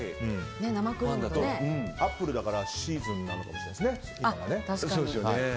アップルだからシーズンかもしれないですね。